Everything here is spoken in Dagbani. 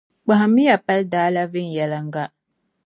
Kpahimmiya paldaa la viɛnyɛliŋga.